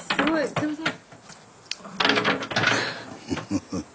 すいません。